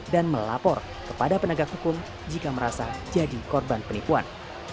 dan melapor kepada penegak hukum jika merasa jadi korban penipuan